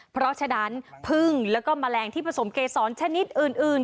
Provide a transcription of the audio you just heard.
เพราะฉะนั้นพึ่งแล้วก็แมลงที่ผสมเกษรชนิดอื่น